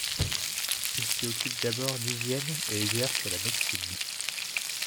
Il s'y occupe d'abord d'hygiène et exerce la médecine.